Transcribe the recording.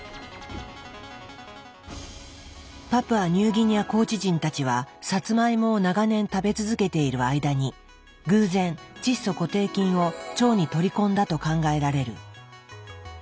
パプアニューギニア高地人たちはサツマイモを長年食べ続けている間に偶然窒素固定菌を腸に取り込んだと考えられる。